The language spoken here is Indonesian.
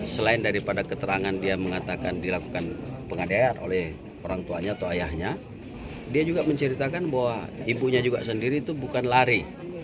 selain daripada keterangan dia mengatakan dilakukan penganiayaan oleh orang tuanya atau ayahnya dia juga menceritakan bahwa ibunya juga sendiri itu bukan lari